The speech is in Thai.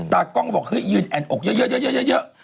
ตากล้องบอกหุ้ยเยอะ